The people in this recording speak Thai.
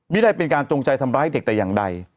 ไม่ได้เป็นการจงใจทำร้ายเด็กแต่อย่างใด